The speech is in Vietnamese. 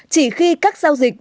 ba mươi ba chỉ khi các giao dịch